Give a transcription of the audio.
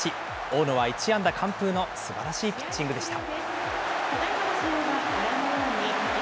大野は１安打完封のすばらしいピッチングでした。